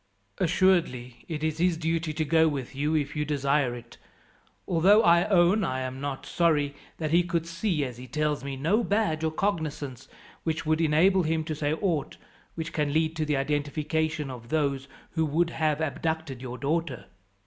"Assuredly it is his duty to go with you if you desire it; although I own I am not sorry that he could see, as he tells me, no badge or cognizance which would enable him to say aught which can lead to the identification of those who would have abducted your daughter.